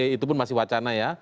itu pun masih wacana ya